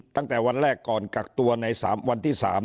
ตั้งแต่วันแรกก่อนกักตัวใน๓วันที่๓